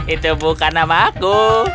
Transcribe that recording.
itu bukan namaku